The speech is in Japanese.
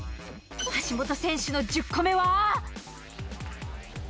橋本選手の１０個目は。